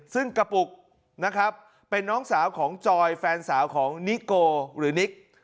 ซึ่งกระปุกนะครับเป็นน้องสาวของจอยแฟนสาวของนิโกหรือนิก